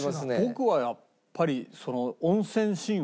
僕はやっぱりその。